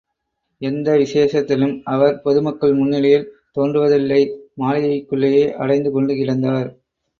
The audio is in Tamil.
எந்த விசேஷத்திலும் அவர் பொது மக்கள் முன்னிலையில் தோன்றுவதில்லை மாளிகைக்குள்ளேயே அடைந்து கொண்டு கிடந்தார்.